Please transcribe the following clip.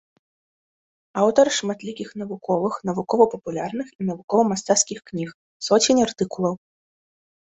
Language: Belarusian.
Аўтар шматлікіх навуковых, навукова-папулярных і навукова-мастацкіх кніг, соцень артыкулаў.